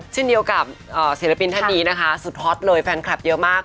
เช่นเดียวกับศิลปินท่านนี้นะคะสุดฮอตเลยแฟนคลับเยอะมาก